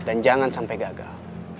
dan jangan sampai gagal